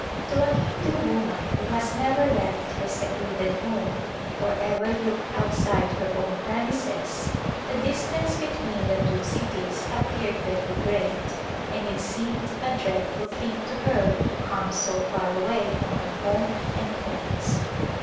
To a Hindu woman who has never left her secluded home or ever looked outside her own premises the distance between the two cities appeared very great and it seemed a dread ful thing to her to come so far away from her home and friends.